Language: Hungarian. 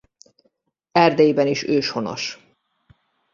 Erdélyben is őshonos.